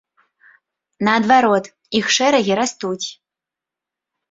Наадварот, іх шэрагі растуць.